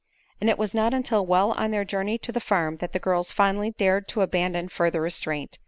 And it was not until well on their journey to the farm that the girls finally dared to abandon further restraint.